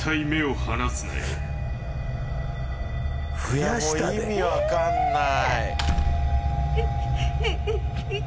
いやもう意味分かんない。